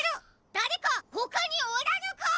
だれかほかにおらぬか！？